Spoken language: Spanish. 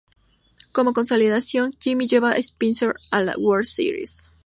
Como consolación, Jimmy lleva a Spencer a las World Series.